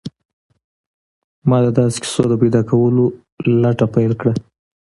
ما د داسې کیسو د پیدا کولو لټه پیل کړه